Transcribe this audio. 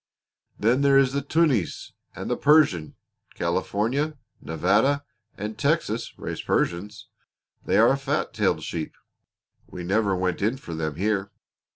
Then there is the Tunis and the Persian. California, Nevada, and Texas raise Persians. They are a fat tailed sheep. We never went in for them here.